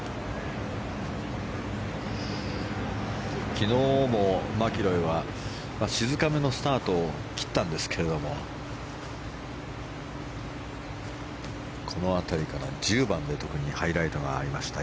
昨日もマキロイは静かめのスタートを切ったんですけどこの辺りから１０番で特にハイライトがありました。